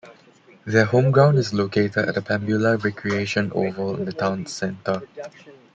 Their home ground is located at the Pambula Recreation oval in the town's centre.